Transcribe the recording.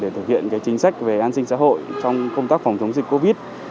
để thực hiện chính sách về an sinh xã hội trong công tác phòng chống dịch covid